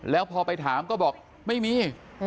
แล้วพอไปถามก็บอกไม่มี